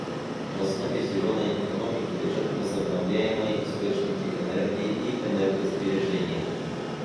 В основе «зеленой» экономики лежат возобновляемые источники энергии и энергосбережение.